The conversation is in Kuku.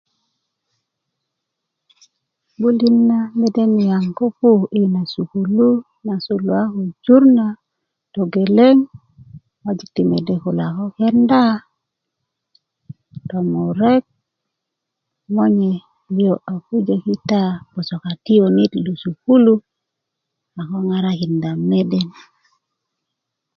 'bulit na mede niaŋ ko pu i na sukulu na suluwa ko jur na togeleŋ ŋwajik ti mede kulo a ko kenda tomurek monye liyo' a pujö kita gboso katiyunit i sukulu a ko ŋarakinda mede